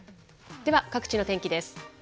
では各地の天気です。